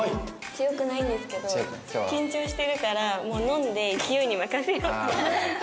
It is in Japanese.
強くないんですけど緊張してるからもう飲んで勢いに任せようと。